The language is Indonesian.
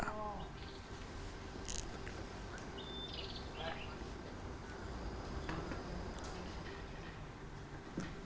pertandingan hari ini menjadi pertandingan hari ke tiga dan ke empat